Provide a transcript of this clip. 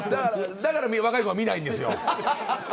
だから若い子は見ないんですよ。